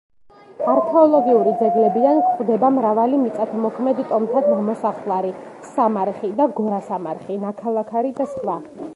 არქეოლოგიური ძეგლებიდან გვხვდება მრავალი მიწათმოქმედ ტომთა ნამოსახლარი, სამარხი და გორასამარხი, ნაქალაქარი და სხვა.